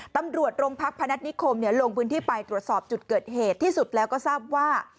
ตำรวจโรงพักพนัฐนิคมลงพื้นที่ไปตรวจสอบจุดเกิดเหตุที่สุดแล้วก็ทราบว่า